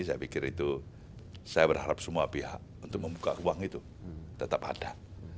saya pikir itu saya berharap semua pihak untuk membuka uang itu tetap ada